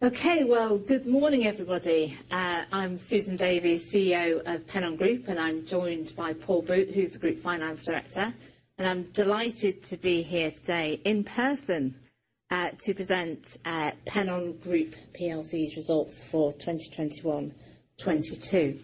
Okay. Well, good morning, everybody. I'm Susan Davy, CEO of Pennon Group, and I'm joined by Paul Boote, who's the Group Finance Director. I'm delighted to be here today in person to present Pennon Group plc's results for 2021, 2022.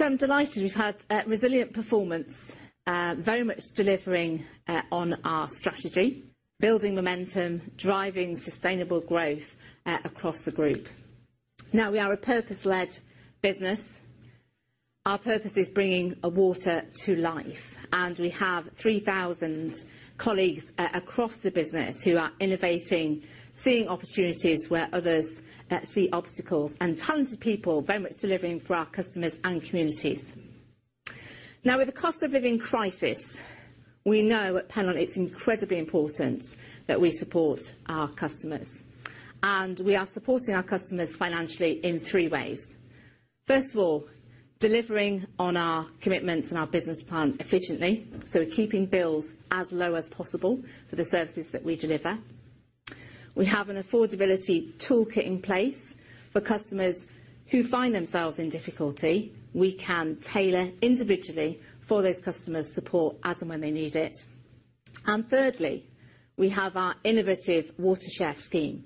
I'm delighted we've had resilient performance very much delivering on our strategy, building momentum, driving sustainable growth across the group. Now, we are a purpose-led business. Our purpose is bringing water to life, and we have 3,000 colleagues across the business who are innovating, seeing opportunities where others see obstacles, and tons of people very much delivering for our customers and communities. Now, with the cost of living crisis, we know at Pennon it's incredibly important that we support our customers. We are supporting our customers financially in three ways. First of all, delivering on our commitments and our business plan efficiently, so keeping bills as low as possible for the services that we deliver. We have an affordability toolkit in place for customers who find themselves in difficulty. We can tailor individually for those customers support as and when they need it. Thirdly, we have our innovative WaterShare+ scheme,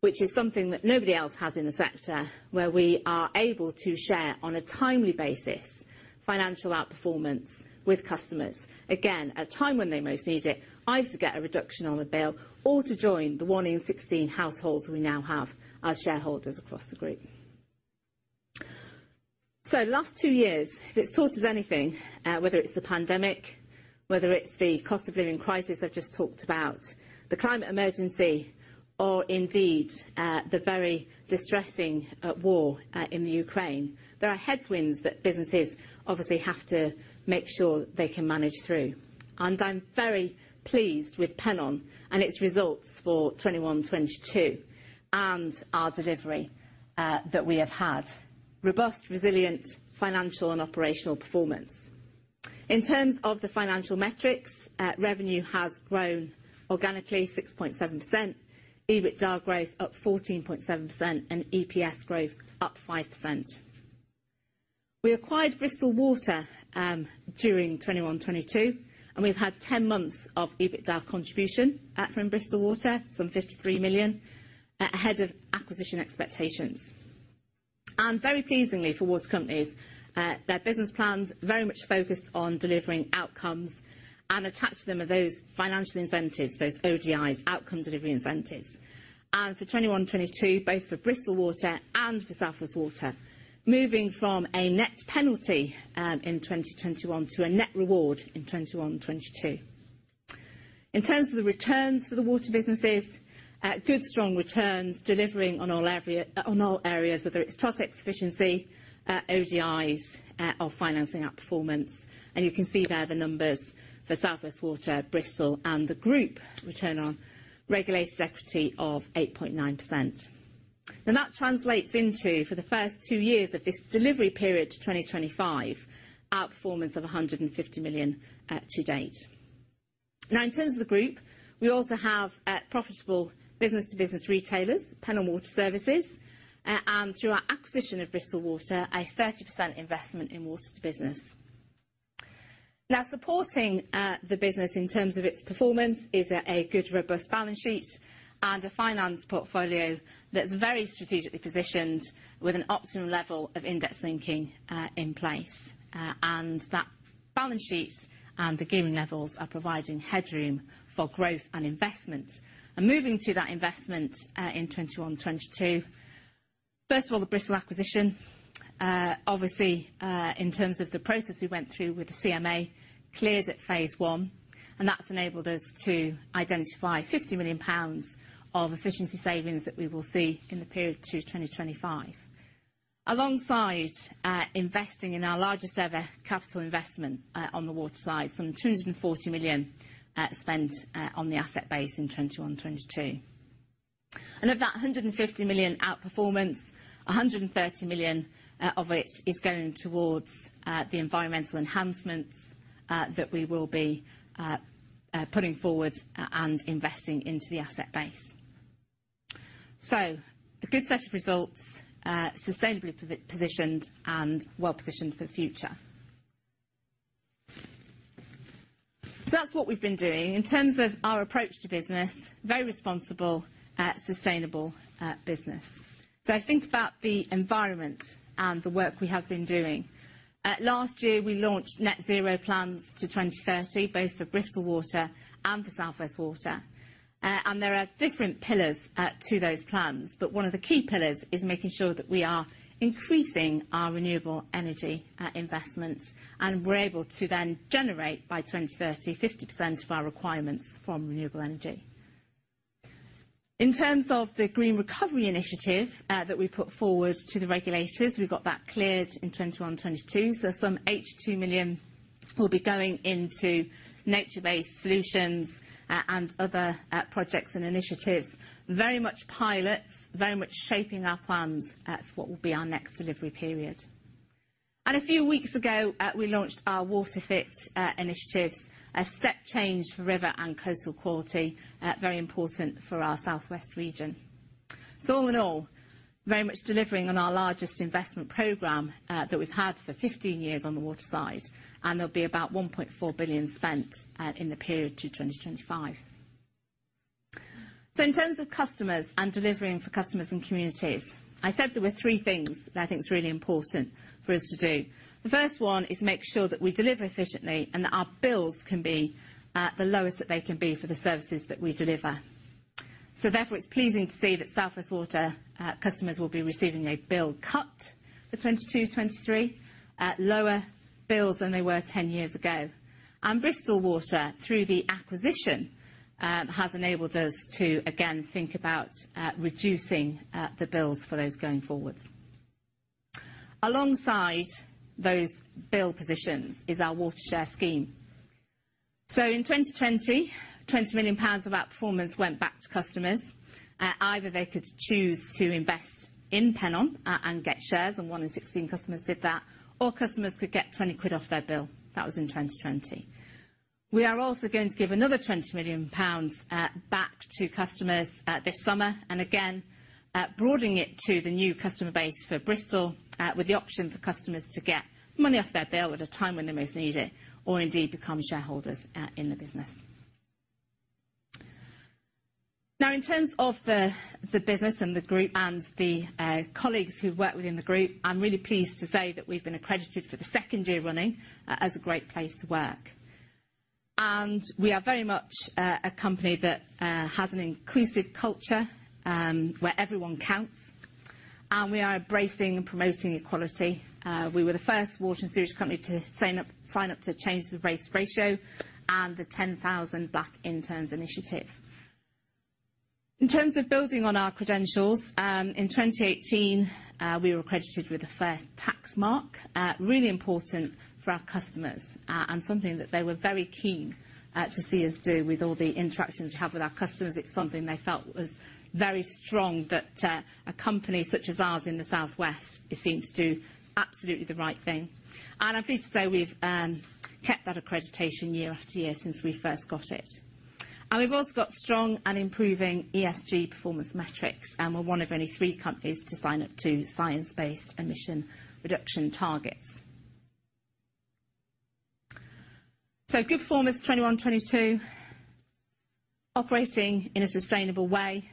which is something that nobody else has in the sector, where we are able to share, on a timely basis, financial outperformance with customers, again, at a time when they most need it, either to get a reduction on a bill or to join the 1 in 16 households we now have as shareholders across the group. The last two years, if it's taught us anything, whether it's the pandemic, whether it's the cost of living crisis I've just talked about, the climate emergency, or indeed, the very distressing, war, in the Ukraine, there are headwinds that businesses obviously have to make sure they can manage through. I'm very pleased with Pennon and its results for 2021, 2022 and our delivery, that we have had. Robust, resilient financial and operational performance. In terms of the financial metrics, revenue has grown organically 6.7%. EBITDA growth up 14.7%, and EPS growth up 5%. We acquired Bristol Water, during 2021, 2022, and we've had 10 months of EBITDA contribution, from Bristol Water, some 53 million, ahead of acquisition expectations. Very pleasingly for water companies, their business plan's very much focused on delivering outcomes, and attached to them are those financial incentives, those ODIs, outcome delivery incentives. For 2021-2022, both for Bristol Water and for South West Water, moving from a net penalty in 2021 to a net reward in 2021-2022. In terms of the returns for the water businesses, good, strong returns delivering on all areas, whether it's totex efficiency, ODIs, or financing outperformance. You can see there the numbers for South West Water, Bristol, and the group return on regulated equity of 8.9%. Now, that translates into, for the first two years of this delivery period to 2025, outperformance of 150 million to date. Now, in terms of the group, we also have profitable business-to-business retailers, Pennon Water Services, and through our acquisition of Bristol Water, a 30% investment in Water2Business. Now, supporting the business in terms of its performance is a good, robust balance sheet and a finance portfolio that's very strategically positioned with an optimum level of index linking in place. That balance sheet and the gearing levels are providing headroom for growth and investment. Moving to that investment in 2021, 2022, first of all, the Bristol acquisition. Obviously, in terms of the process we went through with the CMA, cleared at phase one, and that's enabled us to identify 50 million pounds of efficiency savings that we will see in the period to 2025. Alongside investing in our largest ever capital investment on the water side, some 240 million spent on the asset base in 2021, 2022. Of that 150 million outperformance, 130 million of it is going towards the environmental enhancements that we will be putting forward and investing into the asset base. A good set of results, sustainably positioned and well positioned for the future. That's what we've been doing. In terms of our approach to business, very responsible, sustainable, business. I think about the environment and the work we have been doing. Last year, we launched net zero plans to 2030, both for Bristol Water and for South West Water. There are different pillars to those plans, but one of the key pillars is making sure that we are increasing our renewable energy investments, and we're able to then generate by 2030, 50% of our requirements from renewable energy. In terms of the Green Recovery Initiative that we put forward to the regulators, we got that cleared in 2021, 2022, so 82 million will be going into nature-based solutions and other projects and initiatives. Very much pilots, very much shaping our plans for what will be our next delivery period. A few weeks ago, we launched our WaterFit initiatives, a step change for river and coastal quality, very important for our South West region. All in all, very much delivering on our largest investment program that we've had for 15 years on the water side, and there'll be about 1.4 billion spent in the period to 2025. In terms of customers and delivering for customers and communities, I said there were three things that I think is really important for us to do. The first one is make sure that we deliver efficiently and that our bills can be the lowest that they can be for the services that we deliver. Therefore, it's pleasing to see that South West Water customers will be receiving a bill cut for 2022-2023 at lower bills than they were 10 years ago. Bristol Water, through the acquisition, has enabled us to again think about reducing the bills for those going forward. Alongside those bill positions is our WaterShare+ scheme. In 2020, 20 million pounds of outperformance went back to customers. Either they could choose to invest in Pennon and get shares, and one in 16 customers did that, or customers could get 20 quid off their bill. That was in 2020. We are also going to give another 20 million pounds back to customers this summer, and again, broadening it to the new customer base for Bristol, with the option for customers to get money off their bill at a time when they most need it or indeed become shareholders in the business. Now, in terms of the business and the group and the colleagues who work within the group, I'm really pleased to say that we've been accredited for the second year running as a great place to work. We are very much a company that has an inclusive culture where everyone counts, and we are embracing and promoting equality. We were the first water and sewage company to sign up to Change the Race Ratio and the 10,000 Black Interns initiative. In terms of building on our credentials, in 2018, we were accredited with the Fair Tax Mark. Really important for our customers, and something that they were very keen to see us do with all the interactions we have with our customers. It's something they felt was very strong that a company such as ours in the South West is seen to do absolutely the right thing. I'm pleased to say we've kept that accreditation year after year since we first got it. We've also got strong and improving ESG performance metrics, and we're one of only three companies to sign up to science-based emission reduction targets. Good performance, 2021, 2022. Operating in a sustainable way,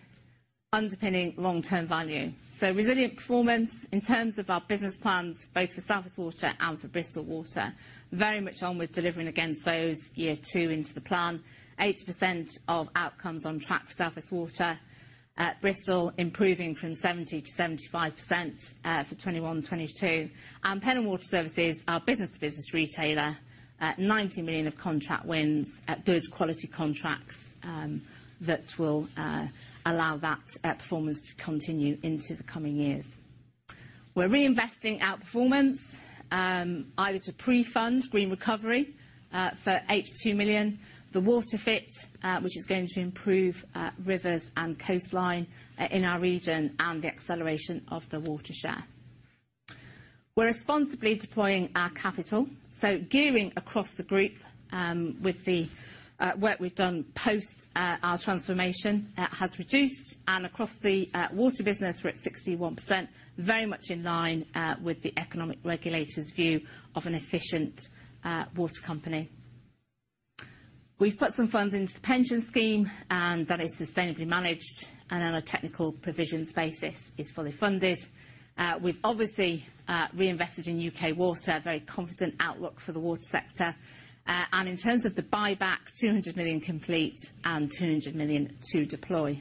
underpinning long-term value. Resilient performance in terms of our business plans, both for South West Water and for Bristol Water. Very much on with delivering against those year two into the plan. 8% of outcomes on track for South West Water. Bristol improving from 70%-75%, for 2021, 2022. Pennon Water Services, our business to business retailer, 90 million of contract wins builds quality contracts that will allow that performance to continue into the coming years. We're reinvesting outperformance either to pre-fund Green Recovery for 82 million, the WaterFit+, which is going to improve rivers and coastline in our region, and the acceleration of the WaterShare+. We're responsibly deploying our capital, so gearing across the group with the work we've done post our transformation has reduced, and across the water business, we're at 61%, very much in line with the economic regulator's view of an efficient water company. We've put some funds into the pension scheme, and that is sustainably managed and on a technical provisions basis is fully funded. We've obviously reinvested in UK Water, very confident outlook for the water sector. In terms of the buyback, 200 million complete and 200 million to deploy.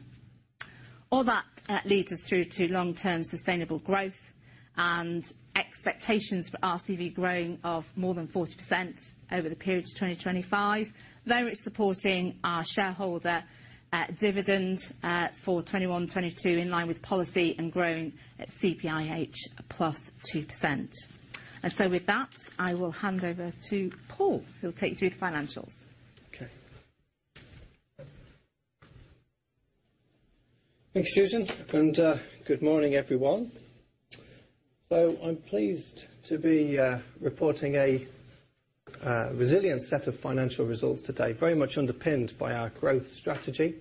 All that leads us through to long-term sustainable growth and expectations for RCV growing of more than 40% over the period to 2025. Though it's supporting our shareholder dividend for 2021, 2022 in line with policy and growing at CPIH + 2%. With that, I will hand over to Paul, who'll take you through the financials. Okay. Thanks, Susan, and good morning, everyone. I'm pleased to be reporting a resilient set of financial results today, very much underpinned by our growth strategy.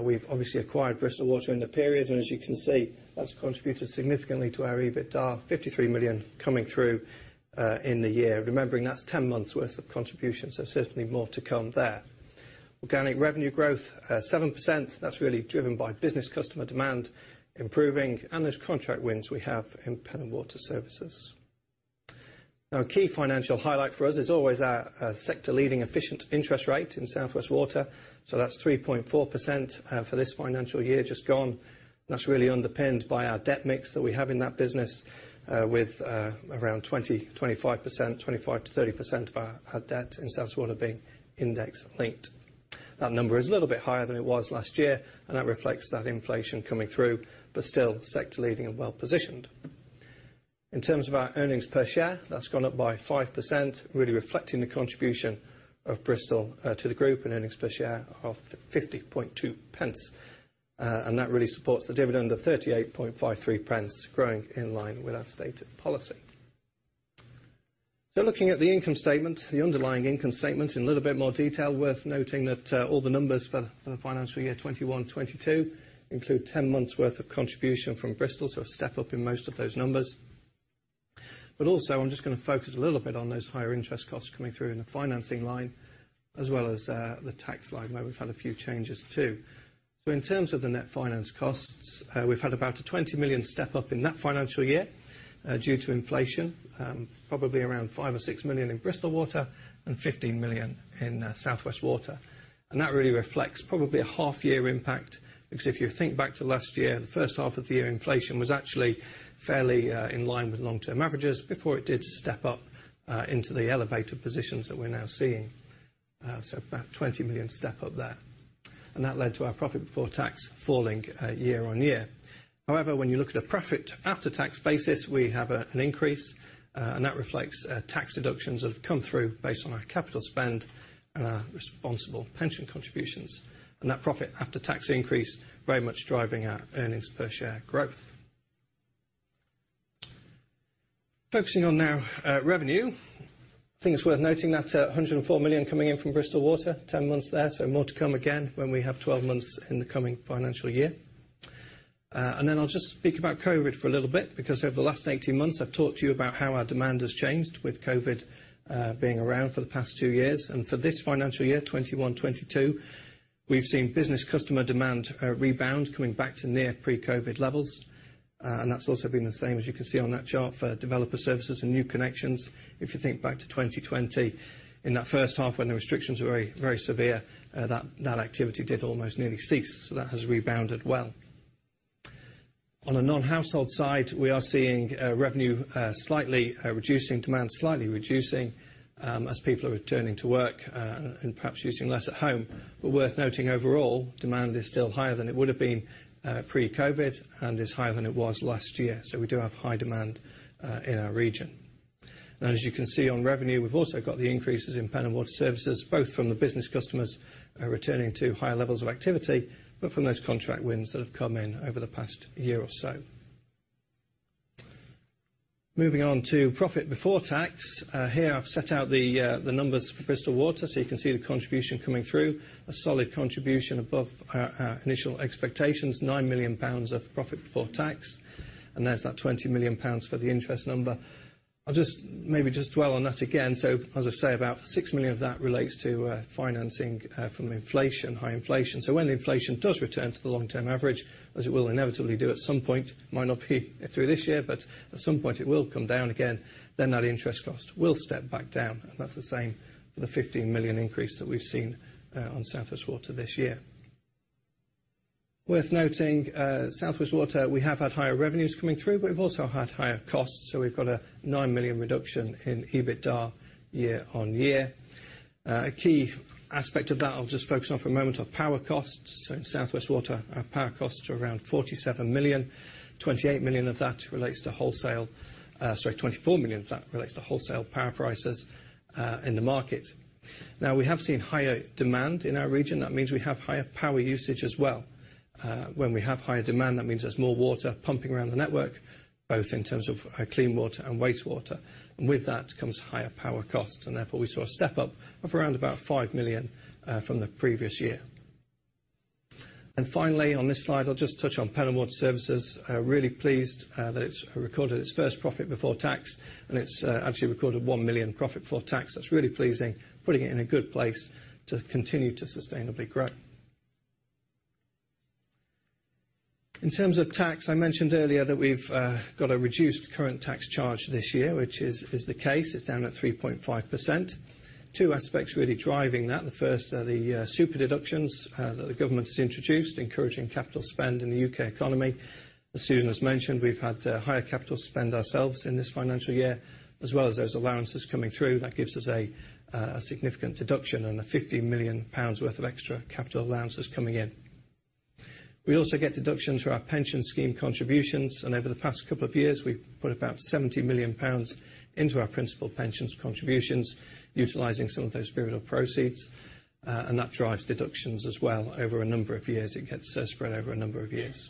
We've obviously acquired Bristol Water in the period, and as you can see, that's contributed significantly to our EBITDA, 53 million coming through in the year. Remembering that's 10 months' worth of contributions, so certainly more to come there. Organic revenue growth 7%. That's really driven by business customer demand improving and those contract wins we have in Pennon Water Services. Now, a key financial highlight for us is always our sector-leading efficient interest rate in South West Water. That's 3.4% for this financial year just gone. That's really underpinned by our debt mix that we have in that business, with around 20-25%, 25%-30% of our debt in South West Water being index-linked. That number is a little bit higher than it was last year, and that reflects that inflation coming through, but still sector leading and well-positioned. In terms of our earnings per share, that's gone up by 5%, really reflecting the contribution of Bristol to the group and earnings per share of 0.502. That really supports the dividend of 0.3853 growing in line with our stated policy. Looking at the income statement, the underlying income statement in a little bit more detail, worth noting that all the numbers for the financial year 2021-2022 include 10 months worth of contribution from Bristol. A step up in most of those numbers. But also, I'm just gonna focus a little bit on those higher interest costs coming through in the financing line, as well as, the tax line, where we've had a few changes too. In terms of the net finance costs, we've had about a 20 million step-up in that financial year, due to inflation. Probably around 5 or 6 million in Bristol Water and 15 million in South West Water. That really reflects probably a half year impact, because if you think back to last year, the first half of the year, inflation was actually fairly, in line with long-term averages before it did step up, into the elevated positions that we're now seeing. About 20 million step-up there. That led to our profit before tax falling, year-on-year. However, when you look at a profit after-tax basis, we have an increase, and that reflects tax deductions that have come through based on our capital spend and our responsible pension contributions. That profit after tax increase very much driving our earnings per share growth. Focusing on now, revenue. Think it's worth noting that 104 million coming in from Bristol Water, ten months there, so more to come again when we have twelve months in the coming financial year. Then I'll just speak about COVID for a little bit, because over the last eighteen months, I've talked to you about how our demand has changed with COVID being around for the past two years. For this financial year 2021-2022, we've seen business customer demand rebound coming back to near pre-COVID levels. That's also been the same as you can see on that chart for developer services and new connections. If you think back to 2020, in that first half when the restrictions were very, very severe, that activity did almost nearly cease. That has rebounded well. On a non-household side, we are seeing revenue slightly reducing, demand slightly reducing, as people are returning to work and perhaps using less at home. Worth noting overall, demand is still higher than it would have been pre-COVID, and is higher than it was last year. We do have high demand in our region. Now as you can see on revenue, we've also got the increases in Pennon Water Services, both from the business customers returning to higher levels of activity, but from those contract wins that have come in over the past year or so. Moving on to profit before tax. Here I've set out the numbers for Bristol Water, so you can see the contribution coming through. A solid contribution above our initial expectations, 9 million pounds of profit before tax. And there's that 20 million pounds for the interest number. I'll just maybe dwell on that again. As I say, about 6 million of that relates to financing from inflation, high inflation. When the inflation does return to the long-term average, as it will inevitably do at some point, might not be through this year, but at some point, it will come down again, then that interest cost will step back down. That's the same for the 15 million increase that we've seen on South West Water this year. Worth noting, South West Water, we have had higher revenues coming through, but we've also had higher costs, so we've got a 9 million reduction in EBITDA year-on-year. A key aspect of that I'll just focus on for a moment are power costs. In South West Water, our power costs are around 47 million. 24 million of that relates to wholesale power prices in the market. Now, we have seen higher demand in our region. That means we have higher power usage as well. When we have higher demand, that means there's more water pumping around the network, both in terms of clean water and wastewater. With that comes higher power costs. Therefore, we saw a step up of around about 5 million from the previous year. Finally, on this slide, I'll just touch on Pennon Water Services. Really pleased that it's recorded its first profit before tax, and it's actually recorded 1 million profit before tax. That's really pleasing, putting it in a good place to continue to sustainably grow. In terms of tax, I mentioned earlier that we've got a reduced current tax charge this year, which is the case. It's down at 3.5%. Two aspects really driving that. The first are the super-deductions that the government has introduced, encouraging capital spend in the UK economy. As Susan has mentioned, we've had higher capital spend ourselves in this financial year, as well as those allowances coming through. That gives us a significant deduction and a 50 million pounds worth of extra capital allowances coming in. We also get deductions for our pension scheme contributions, and over the past couple of years, we've put about 70 million pounds into our principal pension contributions, utilizing some of those proceeds, and that drives deductions as well over a number of years. It gets spread over a number of years.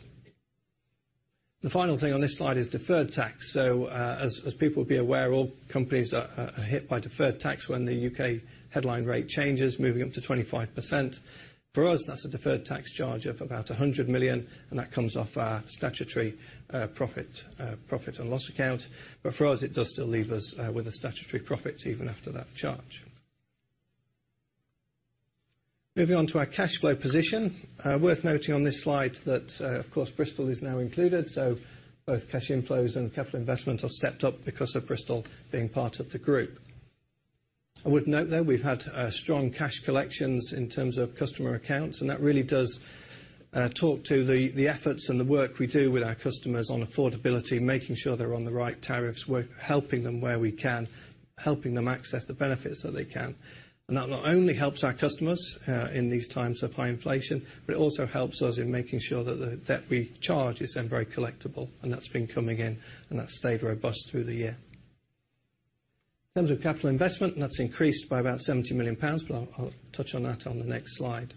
The final thing on this slide is deferred tax. As people will be aware, all companies are hit by deferred tax when the UK headline rate changes, moving up to 25%. For us, that's a deferred tax charge of about 100 million, and that comes off our statutory profit and loss account. For us, it does still leave us with a statutory profit even after that charge. Moving on to our cash flow position. Worth noting on this slide that, of course, Bristol is now included, so both cash inflows and capital investment are stepped up because of Bristol being part of the group. I would note that we've had strong cash collections in terms of customer accounts, and that really does talk to the efforts and the work we do with our customers on affordability, making sure they're on the right tariffs. We're helping them where we can, helping them access the benefits that they can. That not only helps our customers in these times of high inflation, but it also helps us in making sure that the debt we charge is then very collectible, and that's been coming in, and that's stayed robust through the year. In terms of capital investment, that's increased by about 70 million pounds, but I'll touch on that on the next slide.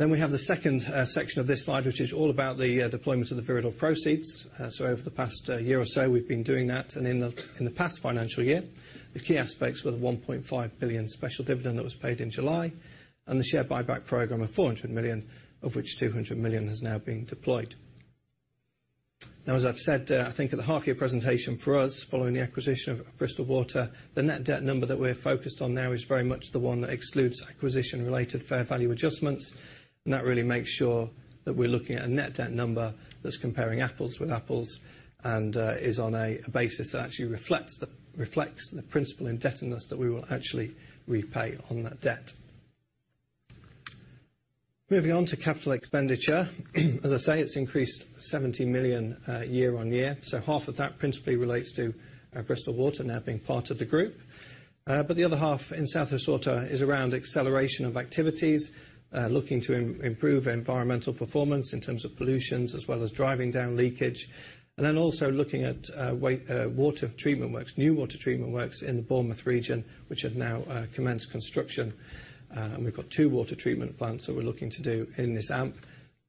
We have the second section of this slide, which is all about the deployment of the Viridor proceeds. Over the past year or so, we've been doing that. In the past financial year, the key aspects were the 1.5 billion special dividend that was paid in July and the share buyback program of 400 million, of which 200 million has now been deployed. Now, as I've said, I think at the half-year presentation for us, following the acquisition of Bristol Water, the net debt number that we're focused on now is very much the one that excludes acquisition-related fair value adjustments. That really makes sure that we're looking at a net debt number that's comparing apples with apples and is on a basis that actually reflects the principal indebtedness that we will actually repay on that debt. Moving on to capital expenditure. As I say, it's increased 70 million year-on-year, so half of that principally relates to Bristol Water now being part of the group. The other half in South West Water is around acceleration of activities, looking to improve environmental performance in terms of pollution, as well as driving down leakage. Also looking at water treatment works, new water treatment works in the Bournemouth region, which have now commenced construction. We've got two water treatment plants that we're looking to do in this AMP.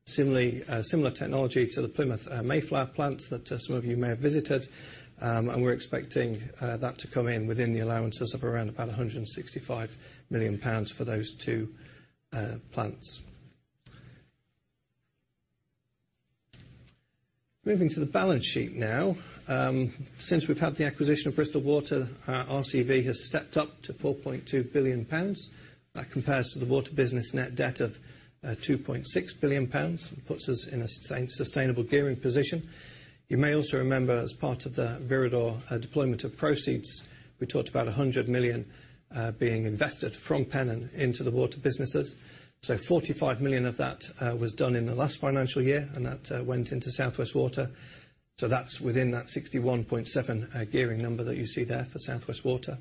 Similarly, similar technology to the Plymouth Mayflower plants that some of you may have visited. We're expecting that to come in within the allowances of around about 165 million pounds for those two plants. Moving to the balance sheet now. Since we've had the acquisition of Bristol Water, our RCV has stepped up to 4.2 billion pounds. That compares to the water business net debt of 2.6 billion pounds. It puts us in a sustainable gearing position. You may also remember, as part of the Viridor deployment of proceeds, we talked about 100 million being invested from Pennon into the water businesses. Forty-five million of that was done in the last financial year, and that went into South West Water. That's within that 61.7 gearing number that you see there for South West Water.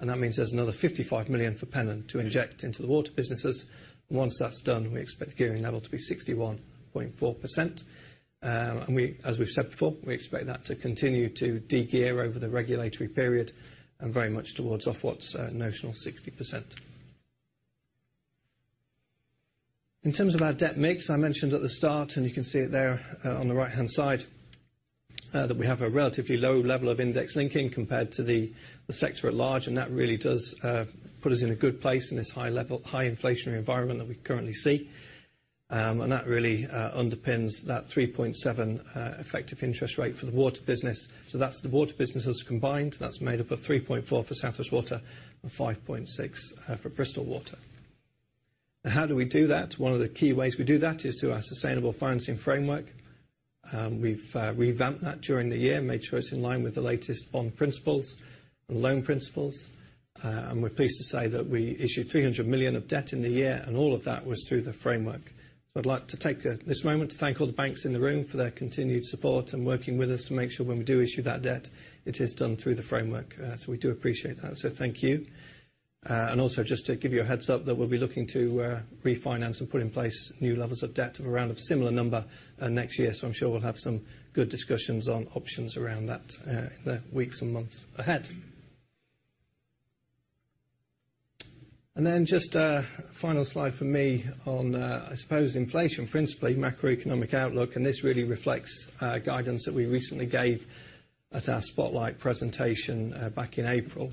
That means there's another 55 million for Pennon to inject into the water businesses. Once that's done, we expect the gearing level to be 61.4%. We, as we've said before, expect that to continue to de-gear over the regulatory period and very much towards Ofwat's notional 60%. In terms of our debt mix, I mentioned at the start, and you can see it there on the right-hand side, that we have a relatively low level of index linking compared to the sector at large, and that really does put us in a good place in this high-level, high inflationary environment that we currently see. That really underpins that 3.7 effective interest rate for the water business. That's the water businesses combined. That's made up of 3.4 for South West Water and 5.6 for Bristol Water. Now how do we do that? One of the key ways we do that is through our sustainable financing framework. We've revamped that during the year, made sure it's in line with the latest bond principles and loan principles. We're pleased to say that we issued 300 million of debt in the year, and all of that was through the framework. I'd like to take this moment to thank all the banks in the room for their continued support and working with us to make sure when we do issue that debt, it is done through the framework. We do appreciate that, so thank you. Also just to give you a heads-up that we'll be looking to refinance and put in place new levels of debt of around a similar number next year. I'm sure we'll have some good discussions on options around that the weeks and months ahead. Just a final slide from me on, I suppose, inflation, principally macroeconomic outlook, and this really reflects guidance that we recently gave at our Spotlight presentation back in April.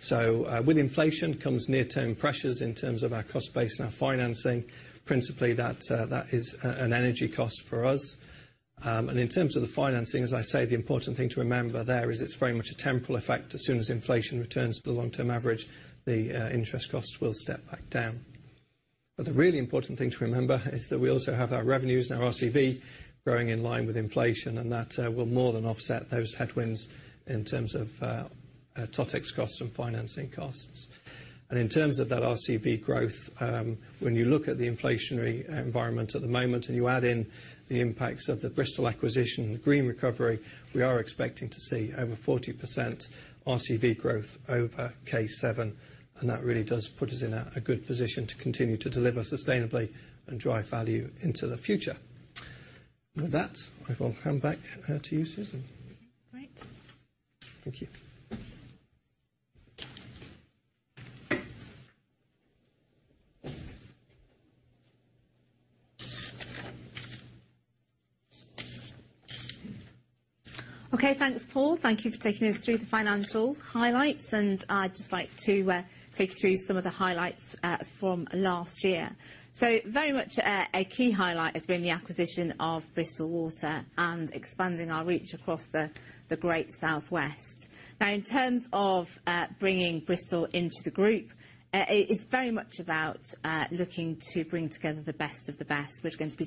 With inflation comes near-term pressures in terms of our cost base and our financing, principally that is an energy cost for us. In terms of the financing, as I say, the important thing to remember there is it's very much a temporal effect. As soon as inflation returns to the long-term average, the interest costs will step back down. The really important thing to remember is that we also have our revenues and our RCV growing in line with inflation, and that will more than offset those headwinds in terms of totex costs and financing costs. In terms of that RCV growth, when you look at the inflationary environment at the moment and you add in the impacts of the Bristol acquisition and the green recovery, we are expecting to see over 40% RCV growth over K7. That really does put us in a good position to continue to deliver sustainably and drive value into the future. With that, I will hand back to you, Susan. Great. Thank you. Okay. Thanks, Paul. Thank you for taking us through the financial highlights. I'd just like to take you through some of the highlights from last year. A key highlight has been the acquisition of Bristol Water and expanding our reach across the Great South West. Now in terms of bringing Bristol into the group, it is very much about looking to bring together the best of the best. We're going to be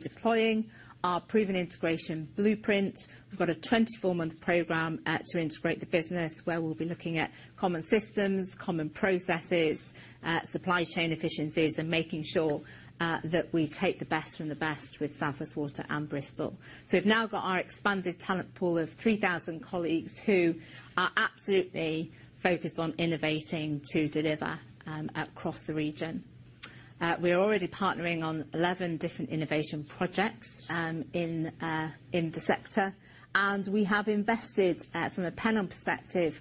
deploying our proven integration blueprint. We've got a 24-month program to integrate the business, where we'll be looking at common systems, common processes, supply chain efficiencies, and making sure that we take the best from the best with South West Water and Bristol. We've now got our expanded talent pool of 3,000 colleagues who are absolutely focused on innovating to deliver across the region. We're already partnering on 11 different innovation projects in the sector. We have invested from a Pennon perspective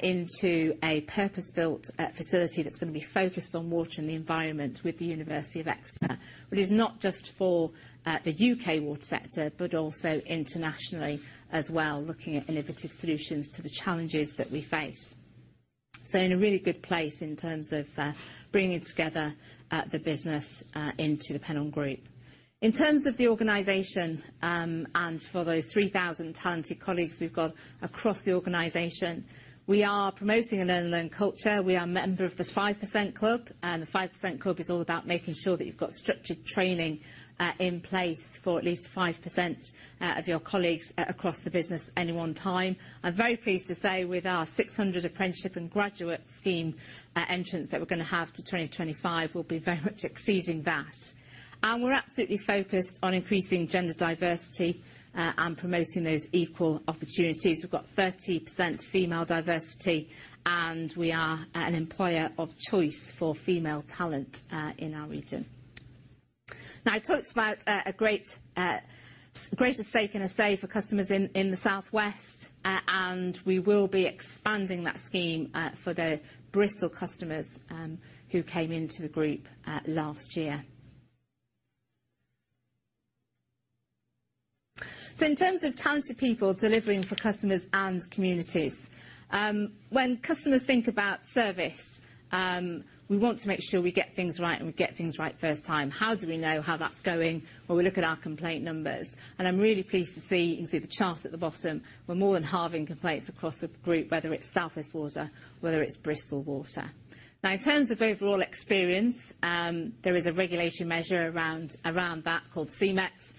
into a purpose-built facility that's gonna be focused on water and the environment with the University of Exeter. It's not just for the U.K. water sector but also internationally as well looking at innovative solutions to the challenges that we face. We're in a really good place in terms of bringing together the business into the Pennon Group. In terms of the organization and for those 3,000 talented colleagues we've got across the organization we are promoting an earn and learn culture. We are a member of the 5% Club, and the 5% Club is all about making sure that you've got structured training in place for at least 5% of your colleagues across the business at any one time. I'm very pleased to say with our 600 apprenticeship and graduate scheme entrants that we're gonna have to 2025, we'll be very much exceeding that. We're absolutely focused on increasing gender diversity and promoting those equal opportunities. We've got 30% female diversity, and we are an employer of choice for female talent in our region. Now, I talked about a greater stake and say for customers in the South West. We will be expanding that scheme for the Bristol customers who came into the group last year. In terms of talented people delivering for customers and communities, when customers think about service, we want to make sure we get things right and we get things right first time. How do we know how that's going? Well, we look at our complaint numbers, and I'm really pleased to see, you can see the chart at the bottom, we're more than halving complaints across the group, whether it's South West Water, whether it's Bristol Water. Now in terms of overall experience, there is a regulatory measure around that called C-MeX.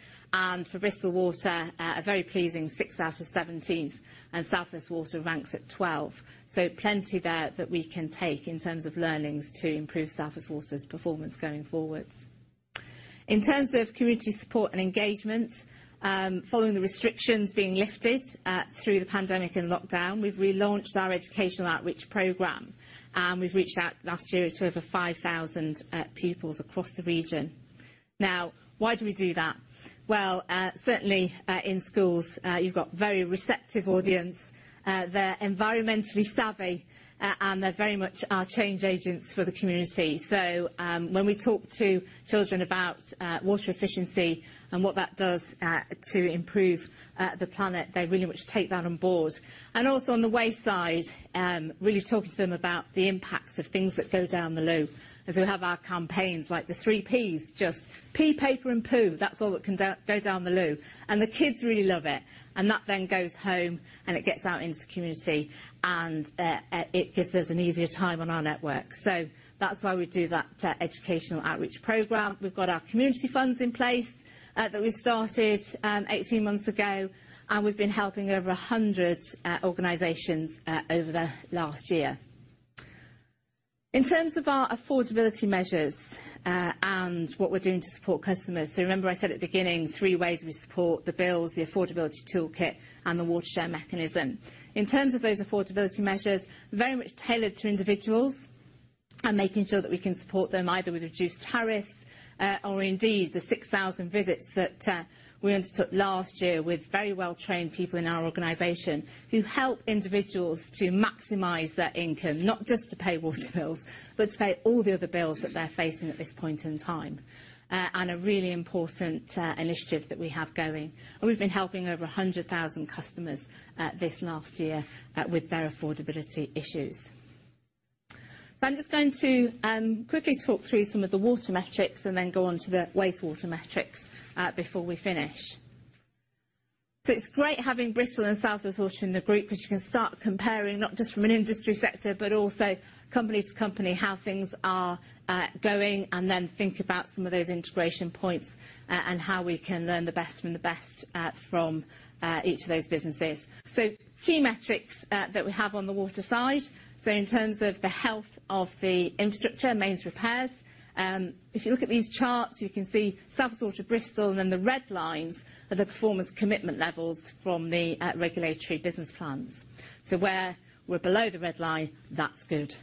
For Bristol Water, a very pleasing 6 out of 17, and South West Water ranks at 12. Plenty there that we can take in terms of learnings to improve South West Water's performance going forwards. In terms of community support and engagement, following the restrictions being lifted through the pandemic and lockdown, we've relaunched our educational outreach program, and we've reached out last year to over 5,000 pupils across the region. Now, why do we do that? Well, certainly, in schools, you've got a very receptive audience. They're environmentally savvy, and they're very much our change agents for the community. When we talk to children about water efficiency and what that does to improve the planet, they very much take that on board. Also on the waste side, really talking to them about the impacts of things that go down the loo, as we have our campaigns like the three Ps, just pee, paper, and poo. That's all that can go down the loo. The kids really love it. That then goes home, and it gets out into the community, and it gives us an easier time on our network. That's why we do that educational outreach program. We've got our community funds in place that we started 18 months ago, and we've been helping over 100 organizations over the last year. In terms of our affordability measures and what we're doing to support customers. Remember I said at the beginning, 3 ways we support the bills, the affordability toolkit, and the water share mechanism. In terms of those affordability measures, very much tailored to individuals, and making sure that we can support them either with reduced tariffs, or indeed the 6,000 visits that we undertook last year with very well-trained people in our organization, who help individuals to maximize their income, not just to pay water bills, but to pay all the other bills that they're facing at this point in time. A really important initiative that we have going. We've been helping over 100,000 customers this last year with their affordability issues. I'm just going to quickly talk through some of the water metrics and then go on to the wastewater metrics before we finish. It's great having Bristol and South West Water in the group 'cause you can start comparing not just from an industry sector, but also company to company, how things are, going, and then think about some of those integration points and how we can learn the best from the best, from each of those businesses. Key metrics that we have on the water side. In terms of the health of the infrastructure, mains repairs, if you look at these charts, you can see South West Water Bristol, and then the red lines are the performance commitment levels from the regulatory business plans. Where we're below the red line, that's good.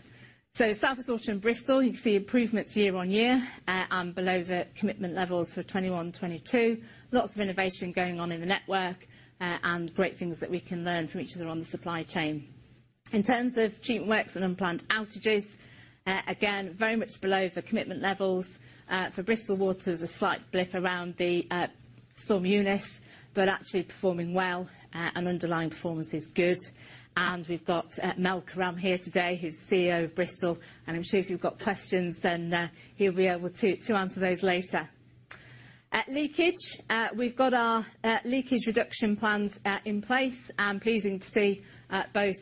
South West Water and Bristol, you can see improvements year on year, and below the commitment levels for 2021, 2022. Lots of innovation going on in the network, and great things that we can learn from each other on the supply chain. In terms of treatment works and unplanned outages, again, very much below the commitment levels. For Bristol Water, there's a slight blip around the Storm Eunice, but actually performing well, and underlying performance is good. We've got Mel Karam here today, who's CEO of Bristol, and I'm sure if you've got questions then, he'll be able to to answer those later. At leakage, we've got our leakage reduction plans in place. Pleasing to see both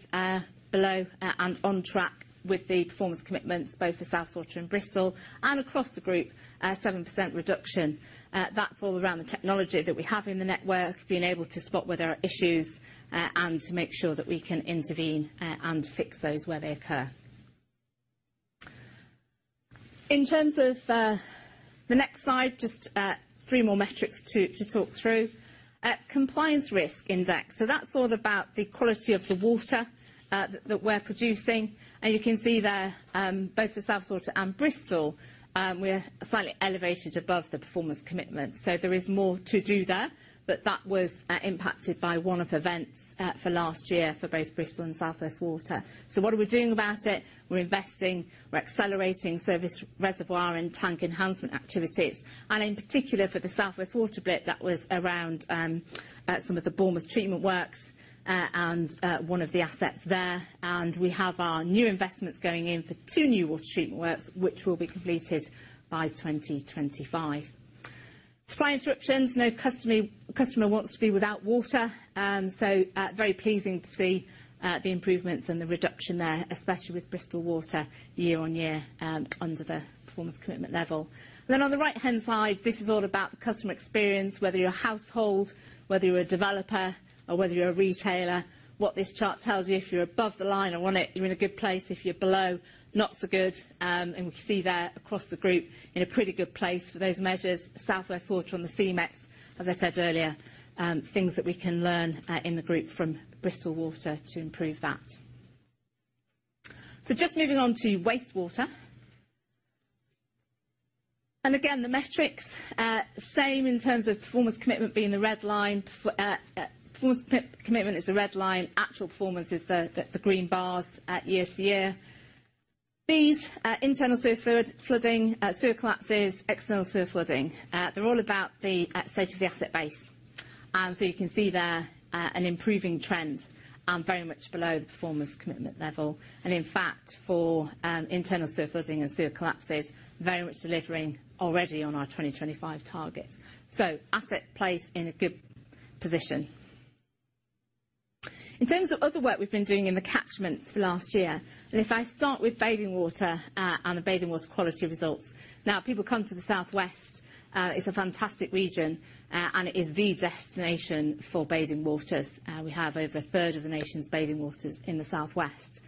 below and on track with the performance commitments both for South West Water and Bristol, and across the group, a 7% reduction. That's all around the technology that we have in the network, being able to spot where there are issues, and to make sure that we can intervene, and fix those where they occur. In terms of the next slide, just three more metrics to talk through. Compliance Risk Index. That's all about the quality of the water that we're producing. You can see there, both South West Water and Bristol Water, we're slightly elevated above the performance commitment, so there is more to do there, but that was impacted by one-off events for last year for both Bristol Water and South West Water. What are we doing about it? We're investing, we're accelerating service reservoir and tank enhancement activities. In particular for the South West Water bit, that was around some of the Bournemouth treatment works, and one of the assets there. We have our new investments going in for two new water treatment works, which will be completed by 2025. Supply interruptions. No customer wants to be without water, very pleasing to see the improvements and the reduction there, especially with Bristol Water year-on-year, under the performance commitment level. On the right-hand side, this is all about the customer experience, whether you're a household, whether you're a developer, or whether you're a retailer. What this chart tells you, if you're above the line or on it, you're in a good place. If you're below, not so good. We can see there across the group in a pretty good place for those measures. South West Water on the C-MeX, as I said earlier, things that we can learn in the group from Bristol Water to improve that. Just moving on to wastewater. Again, the metrics. Same in terms of performance commitment being the red line. Performance commitment is the red line, actual performance is the green bars year to year. These internal sewer flooding, sewer collapses, external sewer flooding, they're all about the state of the asset base. You can see there an improving trend, very much below the performance commitment level. In fact, for internal sewer flooding and sewer collapses, very much delivering already on our 2025 targets. Asset base in a good position. In terms of other work we've been doing in the catchments for last year, and if I start with bathing water and the bathing water quality results. Now, people come to the South West, it's a fantastic region, and it is the destination for bathing waters. We have over a third of the nation's bathing waters in the South West.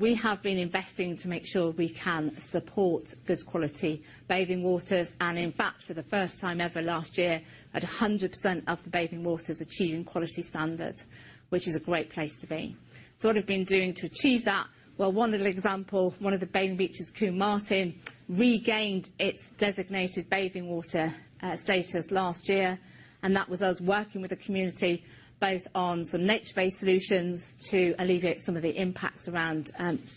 We have been investing to make sure we can support good quality bathing waters. In fact, for the first time ever last year, 100% of the bathing waters achieving quality standard, which is a great place to be. What we've been doing to achieve that, well, one little example, one of the bathing beaches, Combe Martin, regained its designated bathing water status last year, and that was us working with the community both on some nature-based solutions to alleviate some of the impacts around,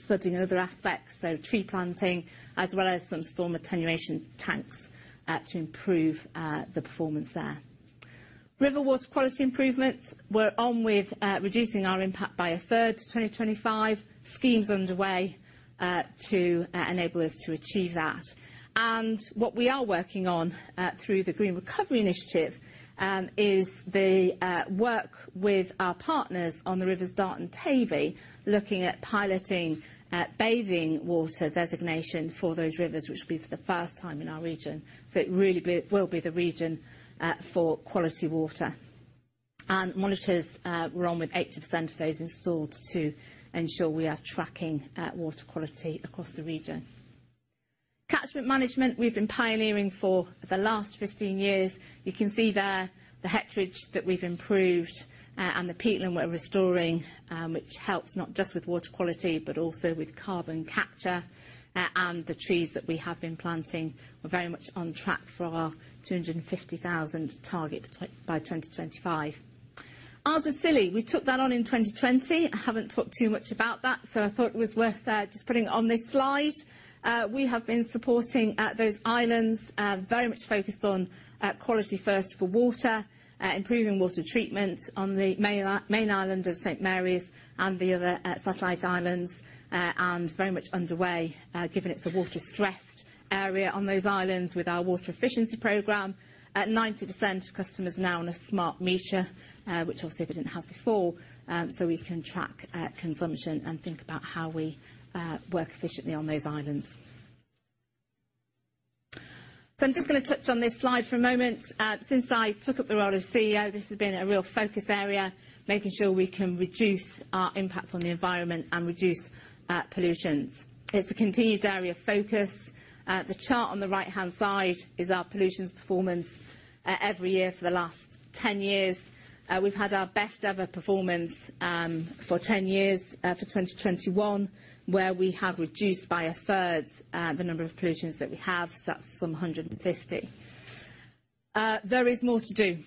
flooding and other aspects, so tree planting, as well as some storm attenuation tanks to improve the performance there. River water quality improvements. We're on with reducing our impact by a third to 2025. Schemes are underway to enable us to achieve that. What we are working on through the Green Recovery Initiative is the work with our partners on the rivers Dart and Teign, looking at piloting bathing water designation for those rivers, which will be for the first time in our region. It really will be the region for quality water. Monitors, we're on with 80% of those installed to ensure we are tracking water quality across the region. Catchment management, we've been pioneering for the last 15 years. You can see there the hectareage that we've improved, and the peatland we're restoring, which helps not just with water quality, but also with carbon capture, and the trees that we have been planting. We're very much on track for our 250,000 target by 2025. Isles of Scilly, we took that on in 2020. I haven't talked too much about that, so I thought it was worth just putting on this slide. We have been supporting those islands, very much focused on quality first for water, improving water treatment on the main island of St. Mary's and the other satellite islands, and very much underway, given it's a water-stressed area on those islands with our water efficiency program. 90% of customers now on a smart meter, which obviously they didn't have before, so we can track consumption and think about how we work efficiently on those islands. I'm just gonna touch on this slide for a moment. Since I took up the role as CEO, this has been a real focus area, making sure we can reduce our impact on the environment and reduce pollutions. It's a continued area of focus. The chart on the right-hand side is our pollution performance every year for the last 10 years. We've had our best ever performance for 10 years for 2021, where we have reduced by a third the number of pollutions that we have, so that's from 150. There is more to do.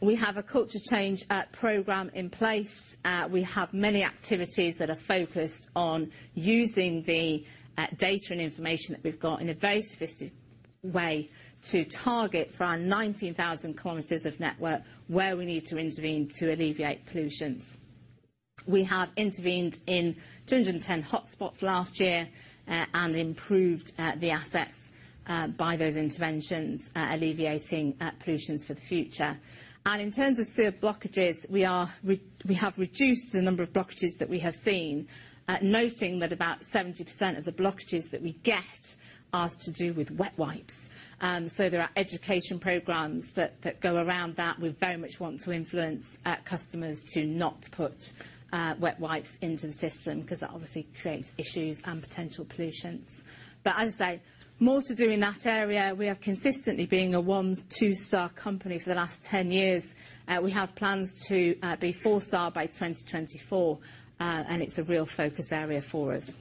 We have a culture change program in place. We have many activities that are focused on using the data and information that we've got in a very sophisticated way to target for our 19,000 kilometers of network where we need to intervene to alleviate pollutions. We have intervened in 210 hotspots last year and improved the assets by those interventions alleviating pollutions for the future. In terms of sewer blockages, we have reduced the number of blockages that we have seen, noting that about 70% of the blockages that we get are to do with wet wipes. There are education programs that go around that. We very much want to influence customers to not put wet wipes into the system, 'cause that obviously creates issues and potential pollutions. As I say, more to do in that area. We are consistently being a one, two-star company for the last 10 years. We have plans to be four-star by 2024, and it's a real focus area for us.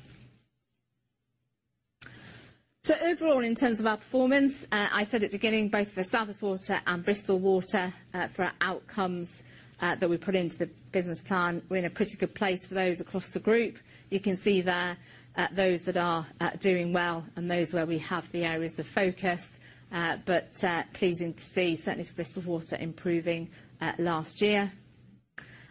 Overall, in terms of our performance, I said at the beginning, both for South West Water and Bristol Water, for outcomes that we put into the business plan, we're in a pretty good place for those across the group. You can see there, those that are doing well, and those where we have the areas of focus. Pleasing to see, certainly for Bristol Water, improving last year.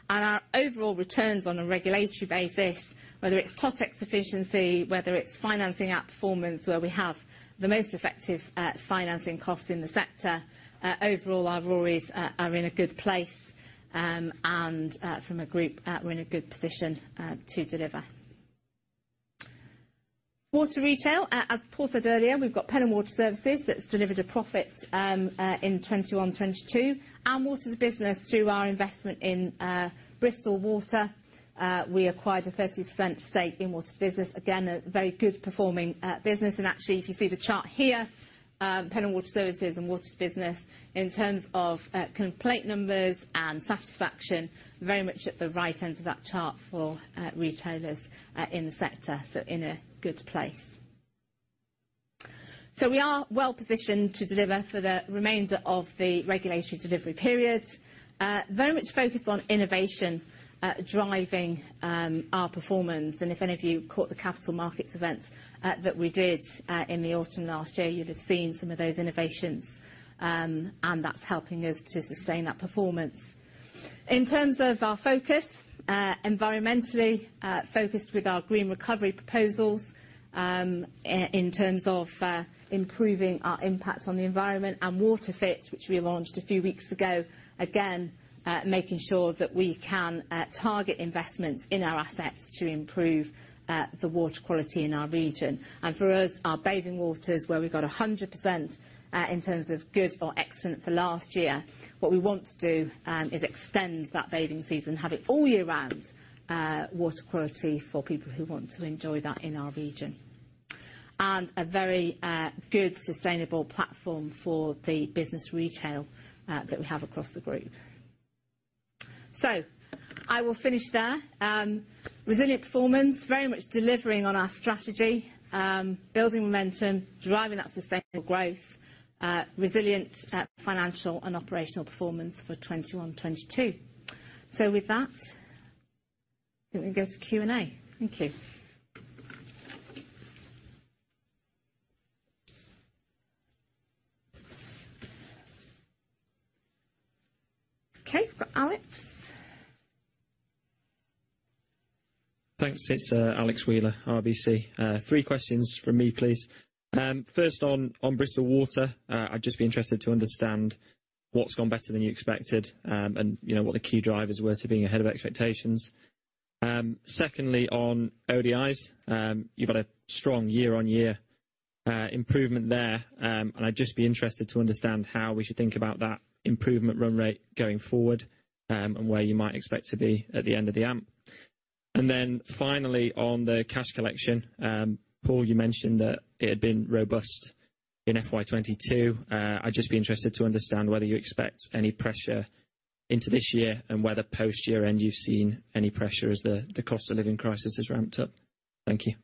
Our overall returns on a regulatory basis, whether it's TotEx efficiency, whether it's financing outperformance, where we have the most effective financing cost in the sector, overall, our RoREs are in a good place. From a group, we're in a good position to deliver. Water retail, as Paul said earlier, we've got Pennon Water Services that's delivered a profit in 2021 and 2022. Water2Business, through our investment in Bristol Water, we acquired a 30% stake in Water2Business. Again, a very good performing business. Actually, if you see the chart here, Pennon Water Services and Water2Business, in terms of complaint numbers and satisfaction, very much at the right end of that chart for retailers in the sector, so in a good place. We are well-positioned to deliver for the remainder of the regulatory delivery period. Very much focused on innovation, driving our performance. If any of you caught the capital markets event that we did in the autumn last year, you'll have seen some of those innovations. That's helping us to sustain that performance. In terms of our focus, environmentally focused with our Green Recovery proposals, in terms of improving our impact on the environment. WaterFit, which we launched a few weeks ago, again making sure that we can target investments in our assets to improve the water quality in our region. For us, our bathing waters, where we've got 100% in terms of good or excellent for last year, what we want to do is extend that bathing season. Have it all year round water quality for people who want to enjoy that in our region. A very good sustainable platform for the business retail that we have across the group. I will finish there. Resilient performance, very much delivering on our strategy. Building momentum, driving that sustainable growth. Resilient financial and operational performance for 2021, 2022. With that, I think we can go to Q&A. Thank you. Okay, for Alex. Thanks. It's Alex Wheeler, RBC. Three questions from me, please. First on Bristol Water, I'd just be interested to understand what's gone better than you expected, and, you know, what the key drivers were to being ahead of expectations. Secondly, on ODIs, you've had a strong year-on-year improvement there. I'd just be interested to understand how we should think about that improvement run rate going forward, and where you might expect to be at the end of the AMP. Finally, on the cash collection, Paul, you mentioned that it had been robust in FY 2022. I'd just be interested to understand whether you expect any pressure into this year, and whether post year-end, you've seen any pressure as the cost of living crisis has ramped up. Thank you.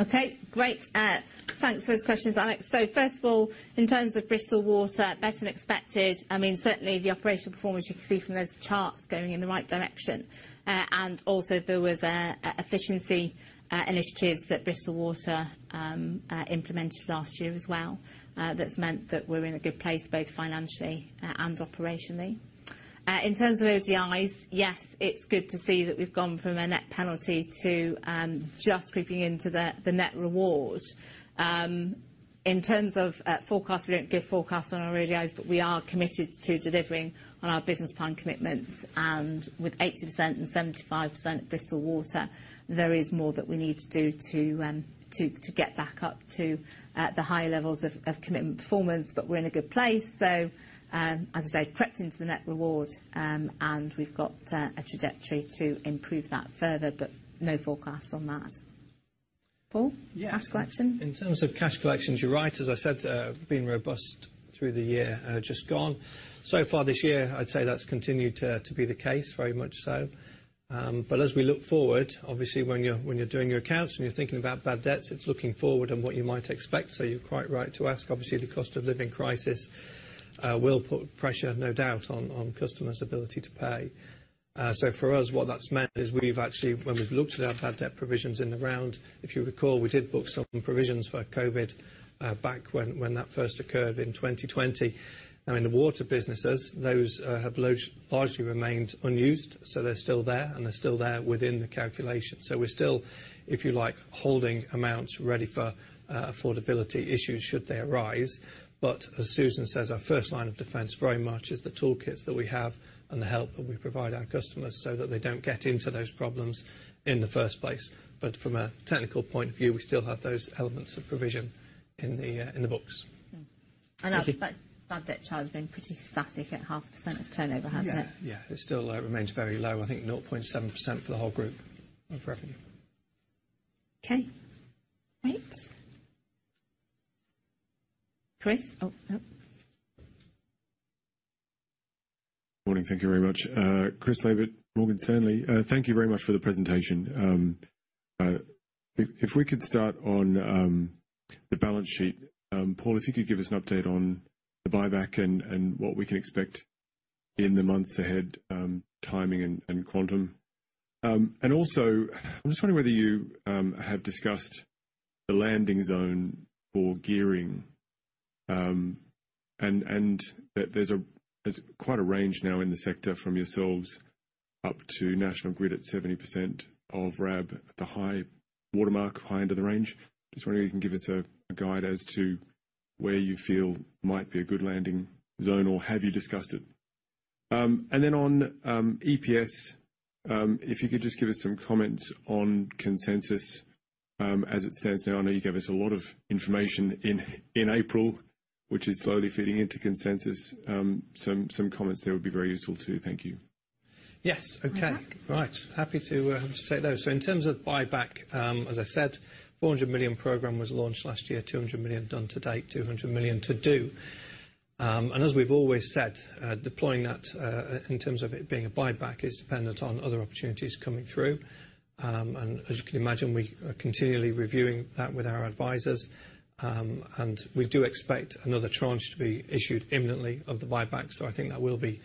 Okay, great. Thanks for those questions, Alex. First of all, in terms of Bristol Water, better than expected. I mean, certainly the operational performance, you can see from those charts, going in the right direction. And also, there was efficiency initiatives that Bristol Water implemented last year as well, that's meant that we're in a good place, both financially and operationally. In terms of ODIs, yes, it's good to see that we've gone from a net penalty to just creeping into the net reward. In terms of forecast, we don't give forecasts on ODIs, but we are committed to delivering on our business plan commitments. and 75% Bristol Water, there is more that we need to do to get back up to the higher levels of commitment performance. We're in a good place. As I say, crept into the net reward, and we've got a trajectory to improve that further. No forecast on that. Paul? Yeah. Cash collection. In terms of cash collections, you're right. As I said, been robust through the year, just gone. So far this year, I'd say that's continued to be the case, very much so. As we look forward, obviously when you're doing your accounts and you're thinking about bad debts, it's looking forward and what you might expect. You're quite right to ask. Obviously, the cost of living crisis will put pressure, no doubt, on customers' ability to pay. For us, what that's meant is when we've looked at our bad debt provisions in the round, if you recall, we did book some provisions for COVID back when that first occurred in 2020. Now, in the water businesses, those have largely remained unused, so they're still there, and they're still there within the calculation. We're still, if you like, holding amounts ready for affordability issues should they arise. As Susan says, our first line of defense very much is the toolkits that we have and the help that we provide our customers, so that they don't get into those problems in the first place. From a technical point of view, we still have those elements of provision in the books. Thank you. Our bad debt charge has been pretty steady at 0.5% of turnover, hasn't it? It still remains very low. I think 0.7% for the whole group of revenue. Okay. Great. Chris? Oh, no. Morning. Thank you very much. Chris Laybutt, Morgan Stanley. Thank you very much for the presentation. If we could start on the balance sheet, Paul, if you could give us an update on the buyback and what we can expect in the months ahead, timing and quantum. Also, I'm just wondering whether you have discussed the landing zone for gearing, and there's quite a range now in the sector from yourselves up to National Grid at 70% of RAB, the high watermark, high end of the range. Just wondering if you can give us a guide as to where you feel might be a good landing zone, or have you discussed it? On EPS, if you could just give us some comments on consensus as it stands now. I know you gave us a lot of information in April, which is slowly feeding into consensus. Some comments there would be very useful too. Thank you. Yes. Okay. Mm-hmm. Right. Happy to take those. In terms of buyback, as I said, 400 million program was launched last year, 200 million done to date, 200 million to do. As we've always said, deploying that, in terms of it being a buyback is dependent on other opportunities coming through. As you can imagine, we are continually reviewing that with our advisors. We do expect another tranche to be issued imminently of the buyback, so I think that will be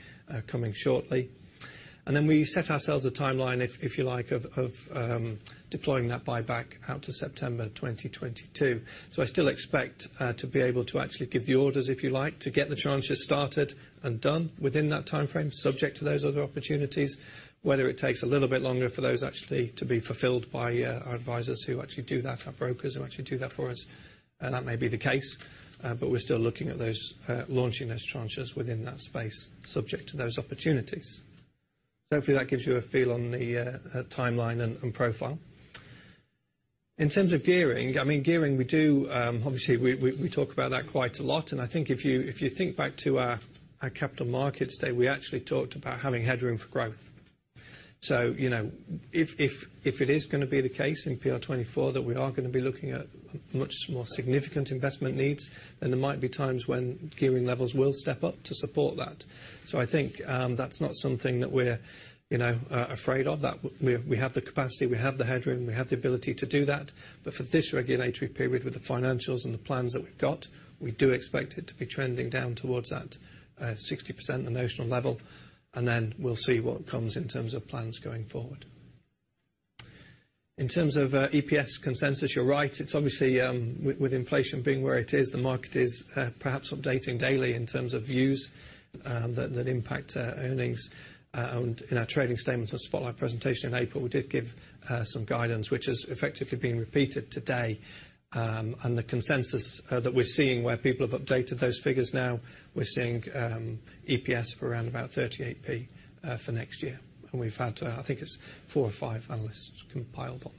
coming shortly. We set ourselves a timeline, if you like, of deploying that buyback out to September 2022. I still expect to be able to actually give the orders, if you like, to get the tranches started and done within that timeframe, subject to those other opportunities. Whether it takes a little bit longer for those actually to be fulfilled by our advisors who actually do that, our brokers who actually do that for us, that may be the case. We're still looking at those, launching those tranches within that space, subject to those opportunities. Hopefully that gives you a feel on the timeline and profile. In terms of gearing, I mean, gearing we do, obviously we talk about that quite a lot. I think if you think back to our capital markets day, we actually talked about having headroom for growth. If it is gonna be the case in PR24 that we are gonna be looking at much more significant investment needs, then there might be times when gearing levels will step up to support that. I think that's not something that we're afraid of. We have the capacity, we have the headroom, we have the ability to do that. But for this regulatory period, with the financials and the plans that we've got, we do expect it to be trending down towards that 60% notional level, and then we'll see what comes in terms of plans going forward. In terms of EPS consensus, you're right. It's obviously with inflation being where it is, the market is perhaps updating daily in terms of views that impact earnings. In our trading statement and spotlight presentation in April, we did give some guidance, which is effectively being repeated today. The consensus that we're seeing where people have updated those figures now, we're seeing EPS of around about 38p for next year. We've had, I think it's four or five analysts compiled on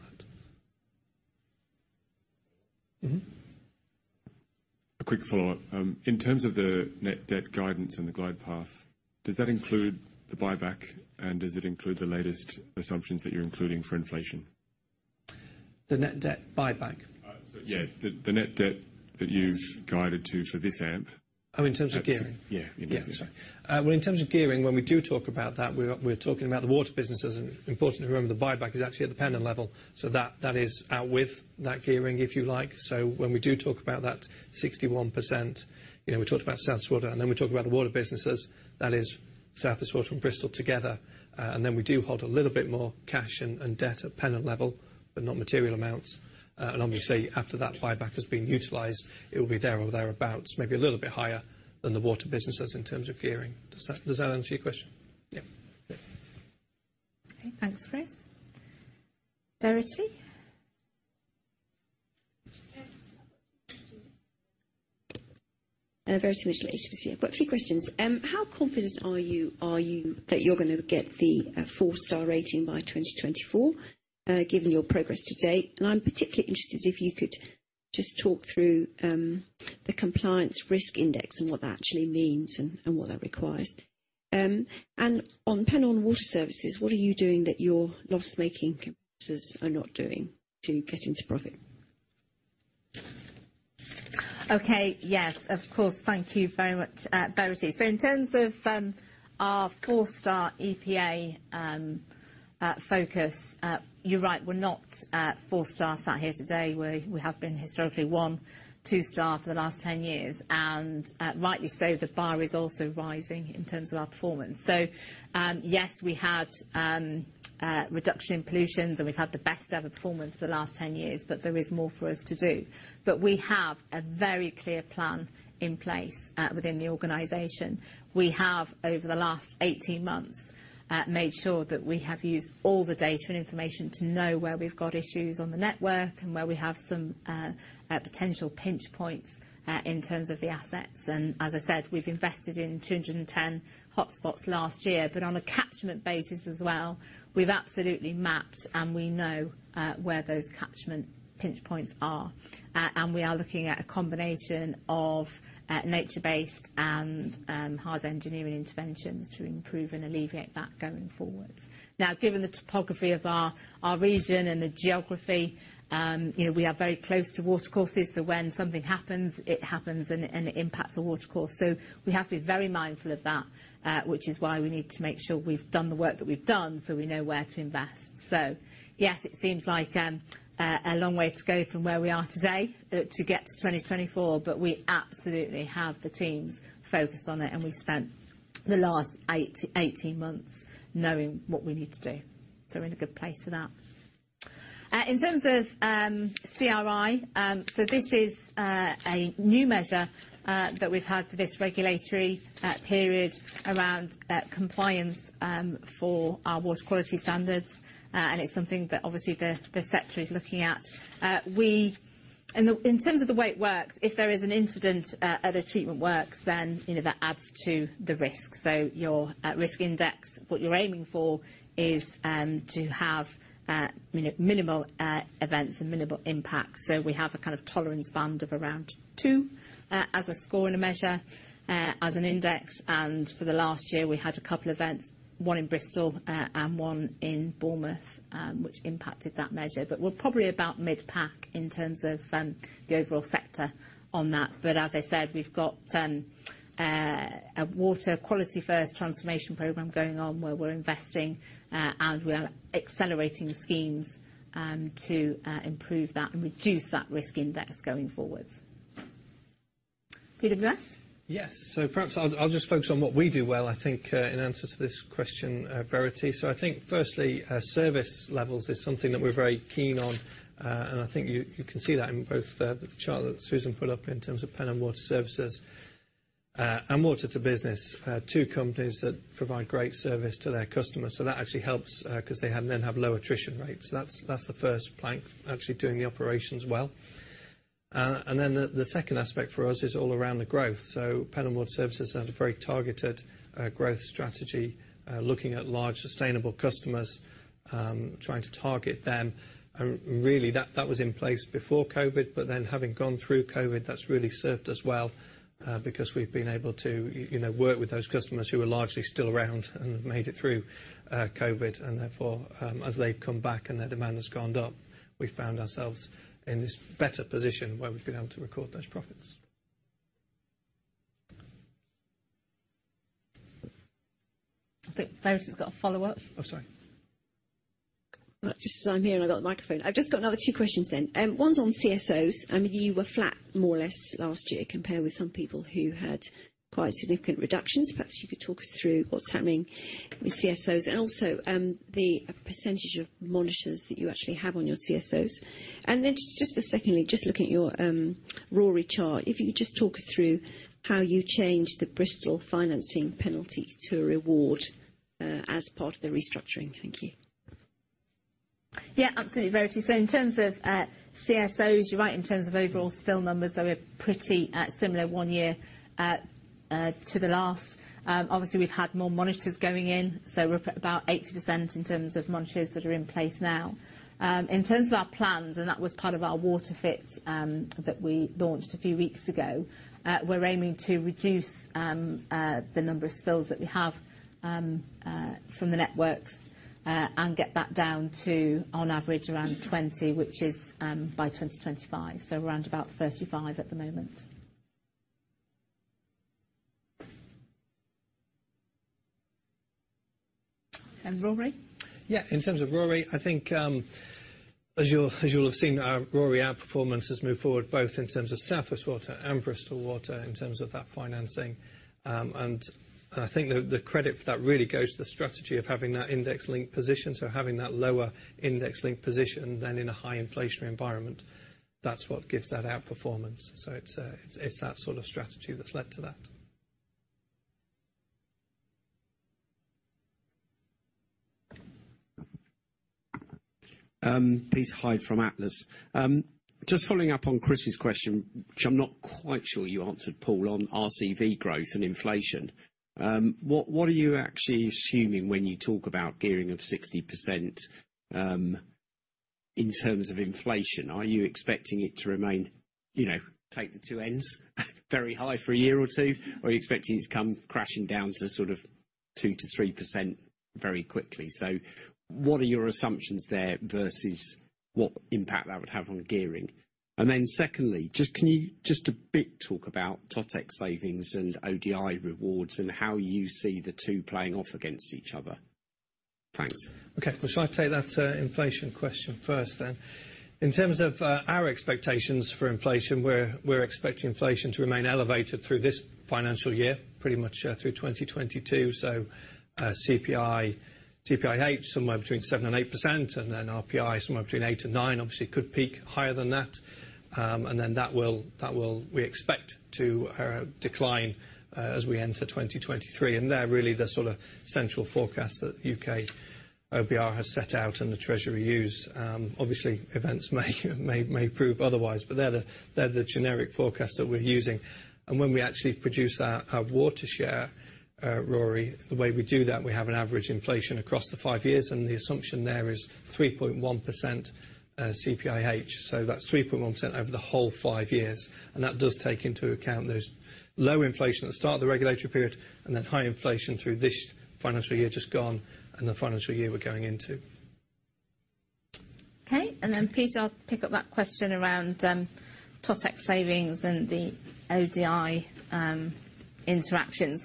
that. A quick follow-up. In terms of the net debt guidance and the glide path, does that include the buyback, and does it include the latest assumptions that you're including for inflation? The net debt buyback? The net debt that you've guided to for this AMP. Oh, in terms of gearing? Yeah, in terms of gearing. Yeah. Well, in terms of gearing, when we do talk about that, we're talking about the water businesses. Importantly to remember, the buyback is actually at the Pennon level. That is outside that gearing, if you like. When we do talk about that 61%, you know, we talked about South West Water, and then we talked about the water businesses, that is South West Water and Bristol Water together. Then we do hold a little bit more cash and debt at Pennon level, but not material amounts. Obviously after that buyback has been utilized, it will be there or thereabouts, maybe a little bit higher than the water businesses in terms of gearing. Does that answer your question? Yeah. Yeah. Okay. Thanks, Chris. Verity? Verity Mitchell, HSBC. I've got three questions. How confident are you that you're gonna get the four-star rating by 2024, given your progress to date? I'm particularly interested if you could just talk through the compliance risk index and what that actually means and what that requires. On Pennon Water Services, what are you doing that your loss-making competitors are not doing to get into profit? Okay. Yes, of course. Thank you very much, Verity. In terms of our four-star EPA focus, you're right, we're not at four stars yet here today. We have been historically one, two star for the last 10 years. Rightly so, the bar is also rising in terms of our performance. Yes, we had reduction in pollutions, and we've had the best ever performance for the last 10 years, but there is more for us to do. We have a very clear plan in place within the organization. We have, over the last 18 months, made sure that we have used all the data and information to know where we've got issues on the network and where we have some potential pinch points in terms of the assets. As I said, we've invested in 210 hotspots last year. On a catchment basis as well, we've absolutely mapped, and we know where those catchment pinch points are. We are looking at a combination of nature-based and hard engineering interventions to improve and alleviate that going forwards. Given the topography of our region and the geography, you know, we are very close to water courses, so when something happens, it happens and it impacts a water course. We have to be very mindful of that, which is why we need to make sure we've done the work that we've done so we know where to invest. Yes, it seems like a long way to go from where we are today to get to 2024, but we absolutely have the teams focused on it, and we've spent the last eighteen months knowing what we need to do. We're in a good place for that. In terms of CRI, this is a new measure that we've had for this regulatory period around compliance for our water quality standards. It's something that obviously the sector is looking at. In terms of the way it works, if there is an incident at a treatment works, then you know, that adds to the risk. Your at-risk index, what you're aiming for is to have minimal events and minimal impact. We have a kind of tolerance band of around two, as a scoring measure, as an index. For the last year, we had a couple events, one in Bristol, and one in Bournemouth, which impacted that measure. We're probably about mid-pack in terms of the overall sector on that. As I said, we've got a water quality first transformation program going on, where we're investing, and we are accelerating schemes to improve that and reduce that risk index going forward. PWS? Yes. Perhaps I'll just focus on what we do well, I think, in answer to this question, Verity. I think firstly, service levels is something that we're very keen on. And I think you can see that in both the chart that Susan put up in terms of Pennon Water Services and Water2Business, two companies that provide great service to their customers. That actually helps 'cause they then have low attrition rates. That's the first plank, actually doing the operations well. And then the second aspect for us is all around the growth. Pennon Water Services have a very targeted growth strategy, looking at large sustainable customers, trying to target them. Really that was in place before COVID, but then having gone through COVID, that's really served us well, because we've been able to, you know, work with those customers who are largely still around and have made it through COVID. Therefore, as they've come back and their demand has gone up, we found ourselves in this better position where we've been able to record those profits. I think Verity's got a follow-up. Oh, sorry. Just as I'm here and I've got the microphone. I've just got another two questions then. One's on CSOs. You were flat more or less last year compared with some people who had quite significant reductions. Perhaps you could talk us through what's happening with CSOs and also the percentage of monitors that you actually have on your CSOs. Just secondly, just looking at your RoRE chart, if you could just talk us through how you changed the Bristol financing penalty to a reward as part of the restructuring. Thank you. Yeah, absolutely, Verity. So in terms of CSOs, you're right in terms of overall spill numbers, they were pretty similar one year to the last. Obviously we've had more monitors going in, so we're at about 80% in terms of monitors that are in place now. In terms of our plans, that was part of our WaterFit that we launched a few weeks ago, we're aiming to reduce the number of spills that we have from the networks and get that down to on average around 20, which is by 2025, so around about 35 at the moment. And RoRE? Yeah, in terms of RoRE, I think, as you'll have seen, our RoRE outperformance has moved forward both in terms of South West Water and Bristol Water in terms of that financing. I think the credit for that really goes to the strategy of having that index-linked position, so having that lower index-linked position than in a high inflationary environment. That's what gives that outperformance. It's that sort of strategy that's led to that. Peter Hyde from Atlas. Just following up on Chris's question, which I'm not quite sure you answered, Paul, on RCV growth and inflation. What are you actually assuming when you talk about gearing of 60%, in terms of inflation? Are you expecting it to remain, you know, take the two ends, very high for a year or two? Or are you expecting it to come crashing down to sort of 2%-3% very quickly? What are your assumptions there versus what impact that would have on the gearing? Secondly, just, can you just talk a bit about totex savings and ODI rewards and how you see the two playing off against each other? Thanks. Okay. Well, shall I take that inflation question first then? In terms of our expectations for inflation, we're expecting inflation to remain elevated through this financial year, pretty much through 2022. CPI, CPIH somewhere between 7%-8%, and then RPI somewhere between 8%-9%. Obviously, it could peak higher than that. We expect to decline as we enter 2023. They're really the sort of central forecasts that U.K. OBR has set out and the Treasury use. Obviously events may prove otherwise, but they're the generic forecast that we're using. When we actually produce our WaterShare+ RoRE, the way we do that, we have an average inflation across the five years, and the assumption there is 3.1% CPIH. That's 3.1% over the whole five years. That does take into account those low inflation at the start of the regulatory period, and then high inflation through this financial year just gone and the financial year we're going into. Okay. Then Peter, I'll pick up that question around totex savings and the ODI interactions.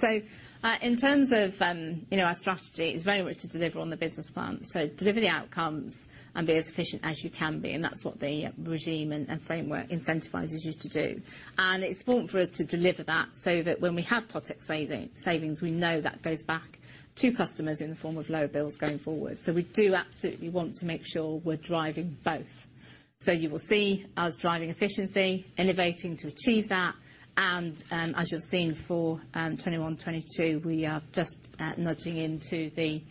In terms of you know our strategy, it's very much to deliver on the business plan. Deliver the outcomes and be as efficient as you can be, and that's what the regime and framework incentivizes you to do. It's important for us to deliver that so that when we have totex savings, we know that goes back to customers in the form of lower bills going forward. We do absolutely want to make sure we're driving both. You will see us driving efficiency, innovating to achieve that, and as you've seen for 2021, 2022, we are just nudging into the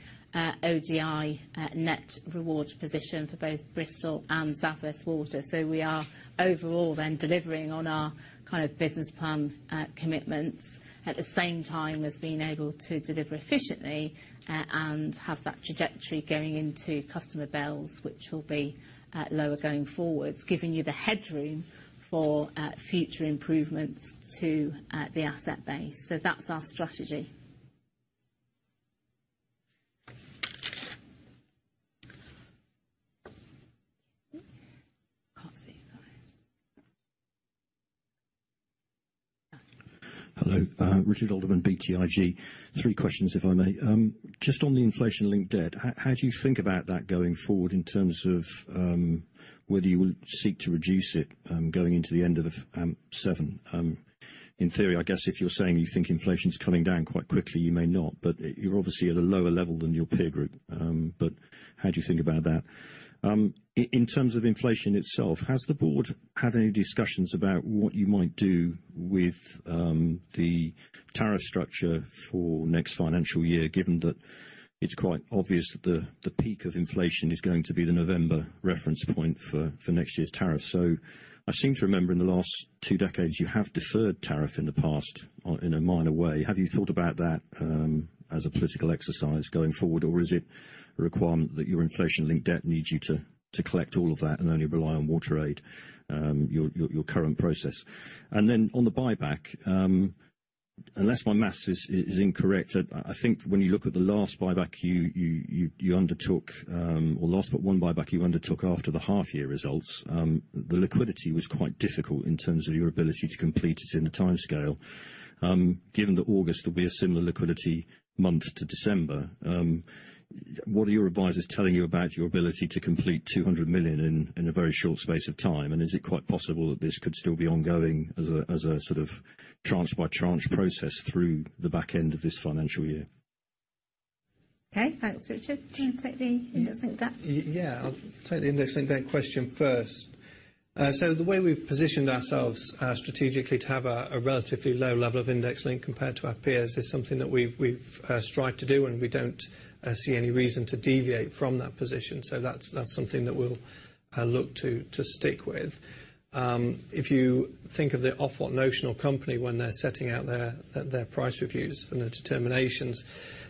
ODI net reward position for both Bristol and South West Water. We are overall then delivering on our kind of business plan, commitments at the same time as being able to deliver efficiently and have that trajectory going into customer bills, which will be lower going forward, giving you the headroom for future improvements to the asset base. That's our strategy. Can't see. Hello. Richard Alderman, BTIG. Three questions if I may. Just on the inflation-linked debt, how do you think about that going forward in terms of whether you will seek to reduce it going into the end of seven? In theory I guess if you're saying you think inflation's coming down quite quickly, you may not. But you're obviously at a lower level than your peer group. But how do you think about that? In terms of inflation itself, has the board had any discussions about what you might do with the tariff structure for next financial year, given that it's quite obvious that the peak of inflation is going to be the November reference point for next year's tariff? I seem to remember in the last two decades you have deferred tariff in the past, in a minor way. Have you thought about that, as a political exercise going forward, or is it a requirement that your inflation-linked debt needs you to collect all of that and only rely on WaterShare+, your current process? On the buyback, unless my math is incorrect, I think when you look at the last buyback you undertook, or last but one buyback you undertook after the half year results, the liquidity was quite difficult in terms of your ability to complete it in the timescale. Given that August will be a similar liquidity month to December, what are your advisers telling you about your ability to complete 200 million in a very short space of time? Is it quite possible that this could still be ongoing as a sort of tranche by tranche process through the back end of this financial year? Okay. Thanks, Richard. Do you wanna take the index-linked debt? Yeah. I'll take the index-linked debt question first. The way we've positioned ourselves strategically to have a relatively low level of index-linked compared to our peers is something that we've strived to do, and we don't see any reason to deviate from that position. That's something that we'll look to stick with. If you think of the Ofwat notional company when they're setting out their price reviews and their determinations,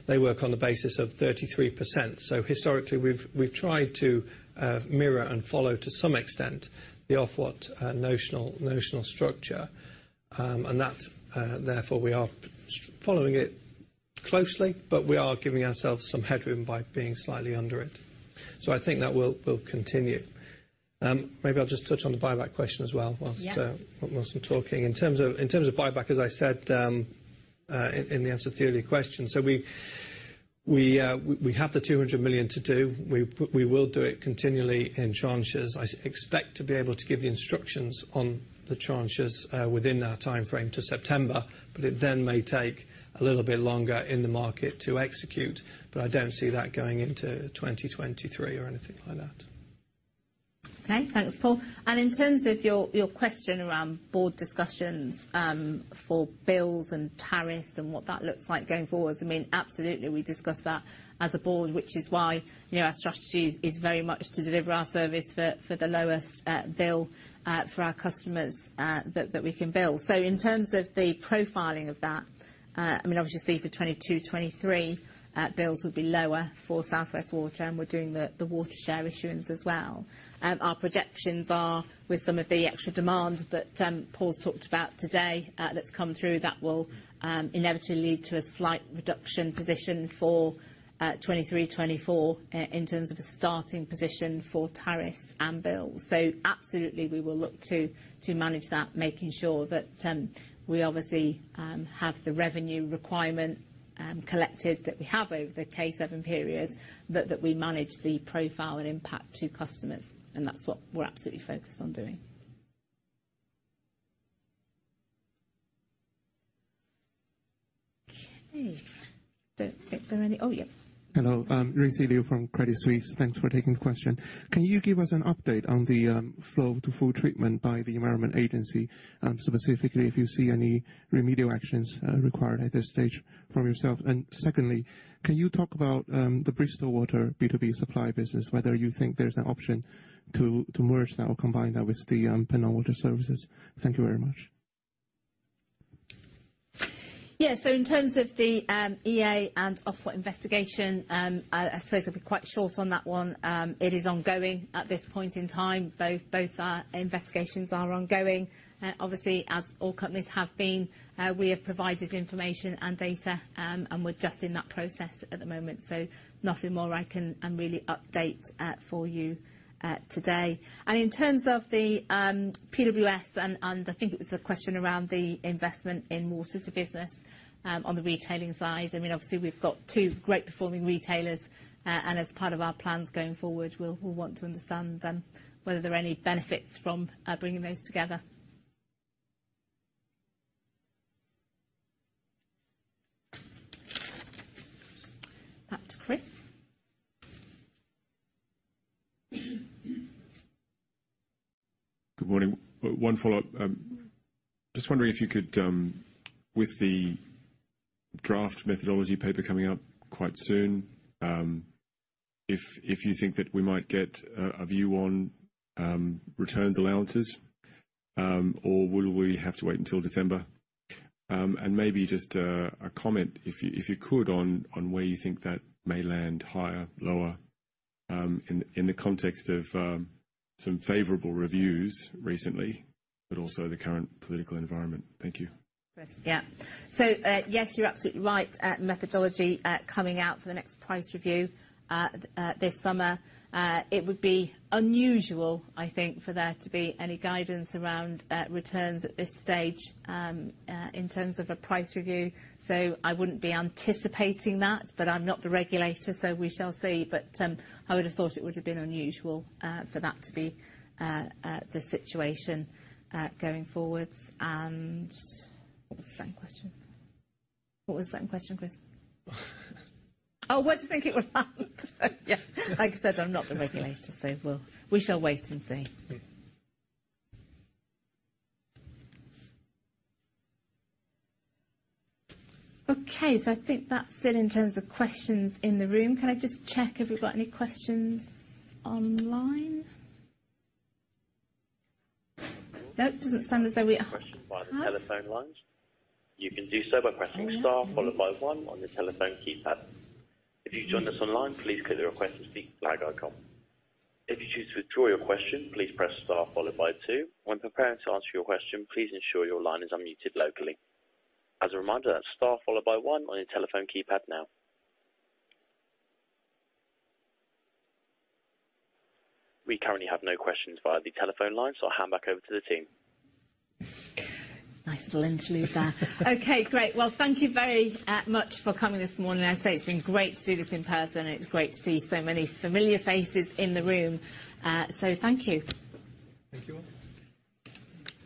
they work on the basis of 33%. Historically we've tried to mirror and follow to some extent the Ofwat notional structure. That's therefore we are following it closely, but we are giving ourselves some headroom by being slightly under it. I think that will continue. Maybe I'll just touch on the buyback question as well. Yeah Whilst I'm talking. In terms of buyback, as I said, in the answer to the earlier question, we have 200 million to do. We will do it continually in tranches. I expect to be able to give the instructions on the tranches, within our timeframe to September. It then may take a little bit longer in the market to execute. I don't see that going into 2023 or anything like that. Okay. Thanks, Paul. In terms of your question around board discussions for bills and tariffs and what that looks like going forwards, I mean, absolutely we discuss that as a board, which is why, you know, our strategy is very much to deliver our service for the lowest bill for our customers that we can bill. In terms of the profiling of that, I mean, obviously for 2022, 2023, bills will be lower for South West Water, and we're doing the WaterShare+ issuance as well. Our projections are, with some of the extra demand that Paul's talked about today, that's come through, that will inevitably lead to a slight reduction position for 2023, 2024 in terms of a starting position for tariffs and bills. Absolutely we will look to manage that, making sure that we obviously have the revenue requirement collected that we have over the K7 period, but that we manage the profile and impact to customers, and that's what we're absolutely focused on doing. Okay. Are there any? Oh, yeah. Hello. I'm Ruisi Liu from Credit Suisse. Thanks for taking the question. Can you give us an update on the flow to full treatment by the Environment Agency? Specifically if you see any remedial actions required at this stage from yourself. Secondly, can you talk about the Bristol Water B2B supply business, whether you think there's an option to merge that or combine that with the Pennon Water Services? Thank you very much. Yeah. In terms of the EA and Ofwat investigation, I suppose I'll be quite short on that one. It is ongoing at this point in time. Both investigations are ongoing. Obviously as all companies have been, we have provided information and data, and we're just in that process at the moment. Nothing more I can really update for you today. In terms of the PWS and I think it was the question around the investment in Water2Business, on the retailing side, I mean, obviously we've got two great performing retailers. As part of our plans going forward, we'll want to understand whether there are any benefits from bringing those together. Back to Chris. Good morning. One follow-up. Just wondering if you could, with the draft methodology paper coming up quite soon, if you think that we might get a view on returns allowances, or will we have to wait until December? And maybe just a comment if you could on where you think that may land higher, lower, in the context of some favorable reviews recently, but also the current political environment. Thank you. Chris, yeah. Yes, you're absolutely right. Methodology coming out for the next price review this summer. It would be unusual, I think, for there to be any guidance around returns at this stage in terms of a price review. I wouldn't be anticipating that, but I'm not the regulator, so we shall see. I would have thought it would have been unusual for that to be the situation going forwards. What was the second question? What was the second question, Chris? Oh, what do you think it was? Yeah. Like I said, I'm not the regulator, so we shall wait and see. Great. Okay. I think that's it in terms of questions in the room. Can I just check if we've got any questions online? No, it doesn't sound as though we are. Question via the telephone lines. You can do so by pressing star followed by one on your telephone keypad. If you joined us online, please click the Request to Speak flag icon. If you choose to withdraw your question, please press star followed by two. When preparing to answer your question, please ensure your line is unmuted locally. As a reminder, that's star followed by one on your telephone keypad now. We currently have no questions via the telephone line, so I'll hand back over to the team. Nice little interlude there. Okay, great. Well, thank you very much for coming this morning. I say it's been great to do this in person. It's great to see so many familiar faces in the room. So thank you. Thank you all.